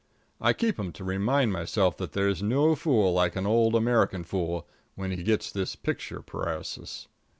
I keep 'em to remind myself that there's no fool like an old American fool when he gets this picture paresis.